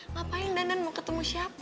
ngapain danan mau ketemu siapa